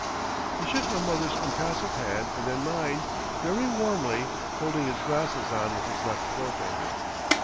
_" He shook my mother's impassive hand and then mine very warmly holding his glasses on with his left forefinger.